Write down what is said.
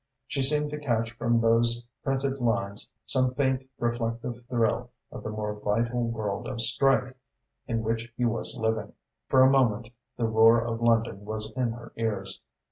She seemed to catch from those printed lines some faint, reflective thrill of the more vital world of strife in which he was living. For a moment the roar of London was in her ears.